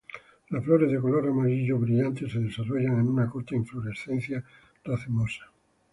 Las flores de color amarillo brillante se desarrollan en una corta inflorescencia racemosa.